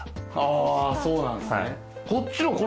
あそうなんすね。